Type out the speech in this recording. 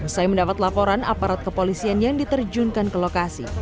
saya mendapat laporan aparat kepolisian yang diterjunkan ke lokasi